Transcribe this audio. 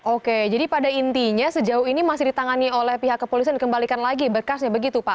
oke jadi pada intinya sejauh ini masih ditangani oleh pihak kepolisian dikembalikan lagi berkasnya begitu pak